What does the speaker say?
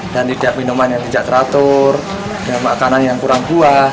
dan tidak minuman yang tidak teratur dan makanan yang kurang buah